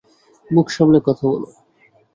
মুখ সামলে কথা বলো।